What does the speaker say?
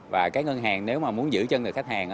và các ngân hàng nếu mà muốn giữ chân được khách hàng